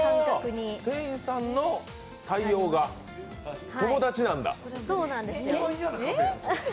ああ、店員さんの対応が友達なんだ。